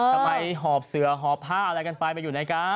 ทำไมหอบเสือหอบผ้าอะไรกันไปไปอยู่ในกัน